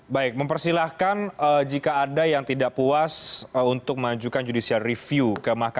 saya berhasil mengajukan judicial review ke mk